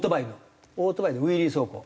オートバイのウィリー走行。